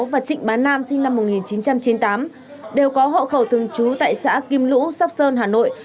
và trịnh bá nam sinh năm một nghìn chín trăm chín mươi tám đều có hộ khẩu thường trú tại xã kim lũ sóc sơn hà nội